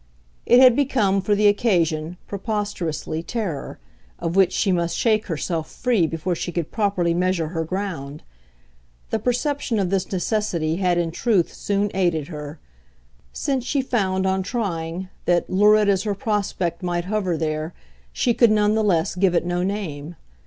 It had become, for the occasion, preposterously, terror of which she must shake herself free before she could properly measure her ground. The perception of this necessity had in truth soon aided her; since she found, on trying, that, lurid as her prospect might hover there, she could none the less give it no name.